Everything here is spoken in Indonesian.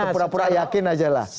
atau pura pura yakin ajalah